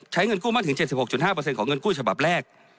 เงินกู้มากถึง๗๖๕ของเงินกู้ฉบับแรก